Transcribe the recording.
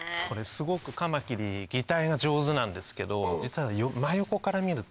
すごくカマキリ擬態が上手なんですけど実は真横から見ると。